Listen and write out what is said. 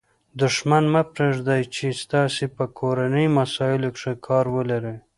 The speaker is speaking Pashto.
دوښمن مه پرېږدئ، چي ستاسي په کورنۍ مسائلو کښي کار ولري.